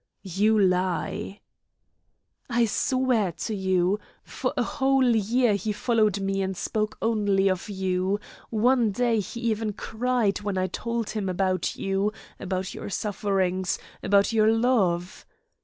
"You lie!" "I swear to you. For a whole year he followed me and spoke only of you. One day he even cried when I told him about you, about your sufferings, about your love."